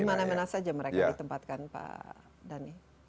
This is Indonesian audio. di mana mana saja mereka ditempatkan pak dhani